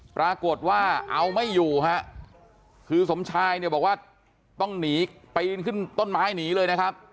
ปรากฏว่าเอาไม่อยู่ฮะคือสมชายเนี่ยบอกว่าต้องหนีปีนขึ้นต้นไม้หนีเลยนะครับ